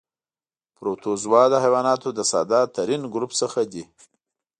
پروتوزوا د حیواناتو له ساده ترین ګروپ څخه دي.